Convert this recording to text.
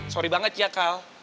sorry banget ya kal